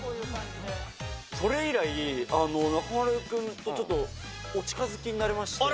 それ以来、中丸君とちょっとお近づきになれまして。